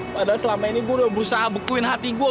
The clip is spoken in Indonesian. padahal selama ini gua udah berusaha bekuin hati gua